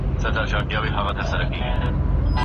بارکزیو غوښتل چې شاه شجاع بالاحصار ته لاړ شي.